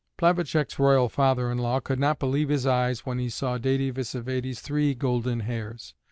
Plavacek's royal father in law could not believe his eyes when he saw Dède Vsévède's three golden hairs.